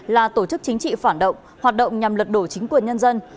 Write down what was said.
là tổ chức chính trị phản động hoạt động nhằm lật đổ chính quyền nhân dân